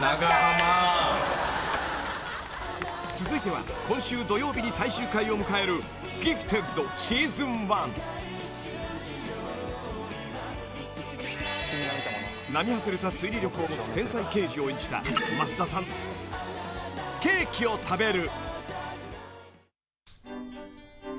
［続いては今週土曜日に最終回を迎える『ギフテッドＳｅａｓｏｎ１』］［並外れた推理力を持つ天才刑事を演じた増田さんケーキを食べる］